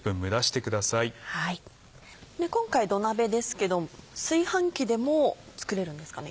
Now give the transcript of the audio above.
今回土鍋ですけど炊飯器でも作れるんですかね？